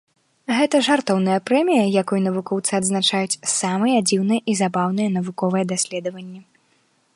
Гэта жартоўная прэмія, якой навукоўцы адзначаюць самыя дзіўныя і забаўныя навуковыя даследаванні.